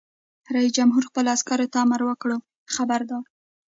رئیس جمهور خپلو عسکرو ته امر وکړ؛ خبردار!